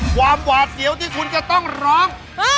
หวาดเสียวที่คุณจะต้องร้อง